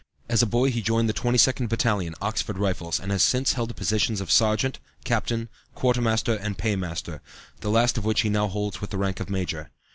As a boy he joined the 22nd Battalion, Oxford Rifles, and has since held the positions of sergeant, captain, quartermaster and paymaster, the last of which he now holds with the rank of major.